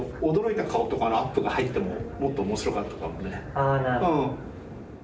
ああなるほど。